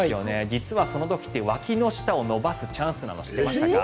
実はその時ってわきの下を伸ばすチャンスなの知っていましたか？